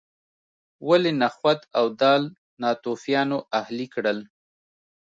ولې نخود او دال ناتوفیانو اهلي کړل.